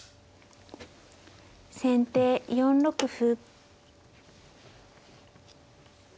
先手４六歩。